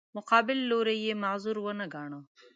مقابل لوری یې معذور ونه ګاڼه.